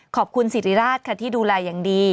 ขอบคุณสิริราชค่ะที่ดูแลอย่างดี